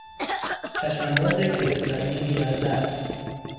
چشم انداز کوهستانی نیاسر